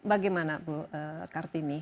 ini bagaimana bu kartini